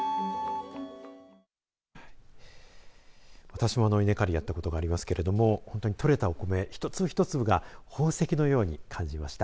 私も稲刈りやったことがありますけれども本当に、とれたお米、一粒一粒が宝石のように感じました。